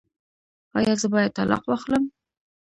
ایا زه باید طلاق واخلم؟